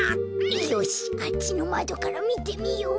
よしあっちのまどからみてみよう。